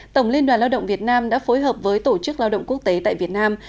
tổng liên đoàn lao động việt nam đã phối hợp với tổ chức lao động quốc tế tại việt nam